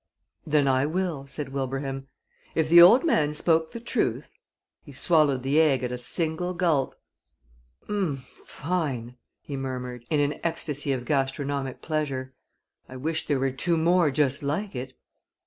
"Then I will," said Wilbraham. "If the old man spoke the truth " He swallowed the egg at a single gulp. "Fine!" he murmured, in an ecstasy of gastronomic pleasure. "I wish there were two more just like it!"